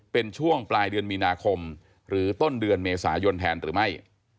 เป็นช่วงปลายเดือนมีนาคมหรือต้นเดือนเมษายนแทนหรือไม่